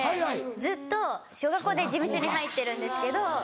ずっと小学校で事務所に入ってるんですけど。